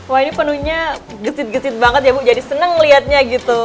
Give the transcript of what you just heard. wah ini penuhnya gesit getit banget ya bu jadi seneng lihatnya gitu